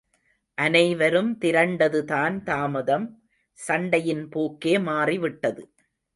அனைவரும் திரண்டதுதான் தாமதம், சண்டையின் போக்கே மாறிவிட்டது.